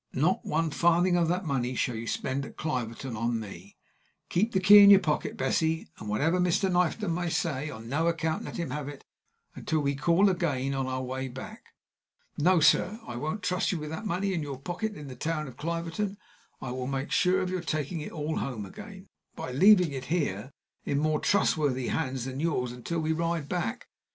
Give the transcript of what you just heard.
Not one farthing of that money shall you spend at Cliverton on me. Keep the key in your pocket, Bessie, and, whatever Mr. Knifton may say, on no account let him have it until we call again on our way back. No, sir, I won't trust you with that money in your pocket in the town of Cliverton. I will make sure of your taking it all home again, by leaving it here in more trustworthy hands than yours until we ride back.